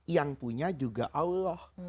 yang punya juga allah